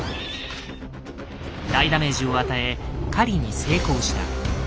大ダメージを与え狩りに成功した。